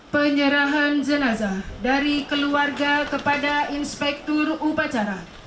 penyerahan jenazah dari keluarga kepada inspektur upacara